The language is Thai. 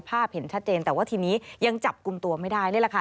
เห็นชัดเจนแต่ว่าทีนี้ยังจับกลุ่มตัวไม่ได้เลยล่ะค่ะ